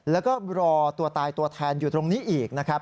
แล้วก็รอตัวตายตัวแทนอยู่ตรงนี้อีกนะครับ